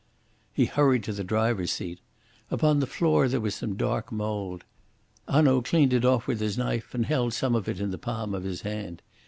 He hurried to the driver's seat. Upon the floor there was some dark mould. Hanaud cleaned it off with his knife and held some of it in the palm of his hand.